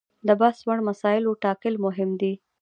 د بحث وړ مسایلو ټاکل مهم دي.